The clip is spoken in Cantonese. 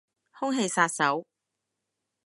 空氣殺手